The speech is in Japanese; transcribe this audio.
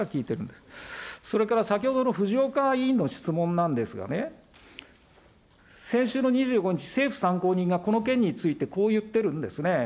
それから先ほどの藤岡委員の質問なんですがね、先週の２５日、政府参考人がこの件についてこう言ってるんですね。